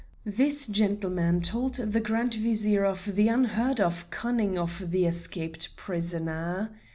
This gentleman told the Grand Vizier of the unheard of cunning of the escaped prisoner.